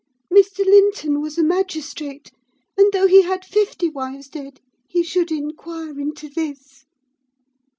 Mr. Linton was a magistrate, and though he had fifty wives dead, he should inquire into this.